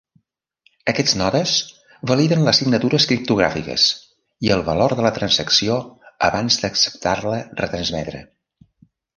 Aquests nodes validen les signatures criptogràfiques i el valor de la transacció abans d'acceptar-la retransmetre.